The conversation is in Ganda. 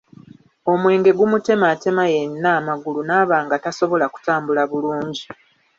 Omwenge gumutematema yenna amagulu naaba nga tasobola kutambula bulungi.